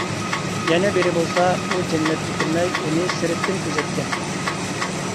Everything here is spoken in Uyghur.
يەنە بىرى بولسا، ئۇ جەننەتكە كىرمەي، ئۇنى سىرتتىن كۆزەتكەن.